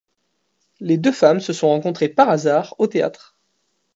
Les deux femmes se sont rencontrées par hasard au théâtre.